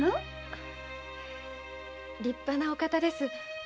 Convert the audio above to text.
立派なお方です。